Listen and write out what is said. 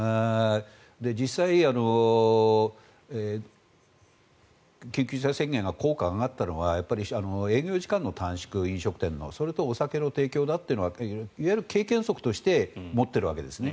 実際、緊急事態宣言の効果が上がったのが飲食店の営業時間の短縮それとお酒の提供だというのはいわゆる経験則として持っているわけですね。